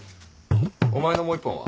お前のもう１本は？